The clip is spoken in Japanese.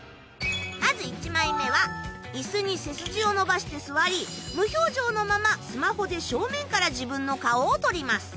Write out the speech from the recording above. まず１枚目は椅子に背筋を伸ばして座り無表情のままスマホで正面から自分の顔を撮ります。